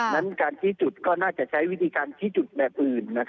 นั้นการชี้จุดก็น่าจะใช้วิธีการชี้จุดแบบอื่น